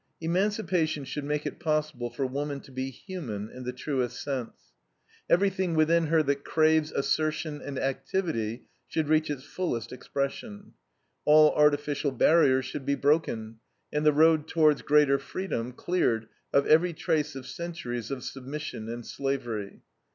Emancipation should make it possible for woman to be human in the truest sense. Everything within her that craves assertion and activity should reach its fullest expression; all artificial barriers should be broken, and the road towards greater freedom cleared of every trace of centuries of submission and slavery.